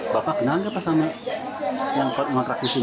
bapak kenal nggak pas sama yang kontrak disini